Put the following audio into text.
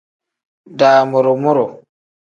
Damuru-muru.